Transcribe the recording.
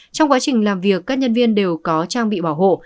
trong quá trình làm việc các nhân viên đều có trang bị bảo hộ